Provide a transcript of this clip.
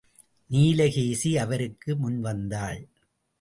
நீலகேசி அவருக்கு முன்வந்தாள்.